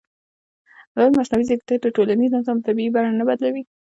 ایا مصنوعي ځیرکتیا د ټولنیز نظم طبیعي بڼه نه بدلوي؟